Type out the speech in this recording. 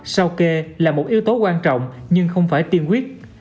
sau kê là một yếu tố quan trọng nhưng không phải tiên quyết